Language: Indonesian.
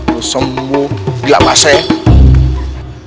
lo sembuh gila masa ya